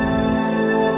saya tidak suka dibohongi